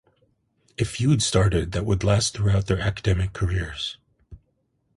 A feud started that would last throughout their academic careers.